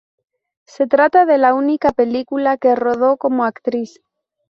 Se trata de la única película que rodó como actriz.